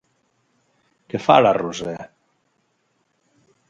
Què fa, la Roser?